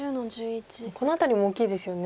この辺りも大きいですよね。